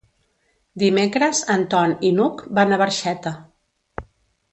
Dimecres en Ton i n'Hug van a Barxeta.